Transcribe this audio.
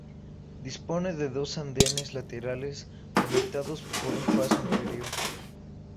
Dispone de dos andenes laterales conectados por un paso inferior.